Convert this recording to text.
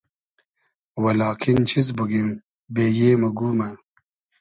و لاکین چیز بوگیم بېیې مۉ گومۂ